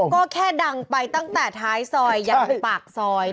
ก็แค่ดังไปตั้งแต่ท้ายซอยยันปากซอย